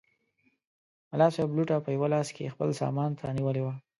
ملا صاحب لوټه په یوه لاس کې خپل سامان ته نیولې وه.